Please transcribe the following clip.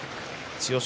千代翔